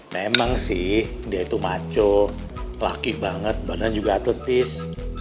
memang sih dia itu maco laki banget badan juga atletis